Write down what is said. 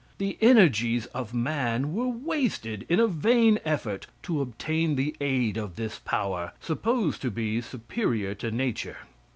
The energies of man were wasted in a vain effort to obtain the aid of this power, supposed to be superior to nature.